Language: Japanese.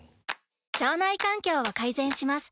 腸内環境を改善します。